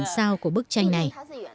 sao của bức tranh này